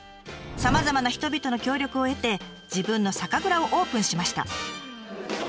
さまざまな人々の協力を得て自分の酒蔵をオープンしました。